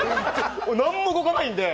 何も動かないんで。